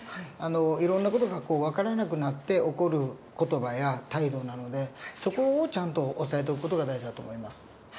いろんな事が分からなくなって起こる言葉や態度なのでそこをちゃんと押さえておく事が大事だと思います。